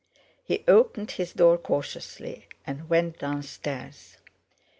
He opened his door cautiously, and went downstairs.